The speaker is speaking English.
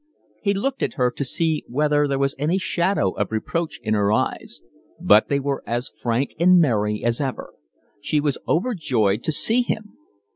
He looked at her to see whether there was any shadow of reproach in her eyes; but they were as frank and merry as ever: she was overjoyed to see him.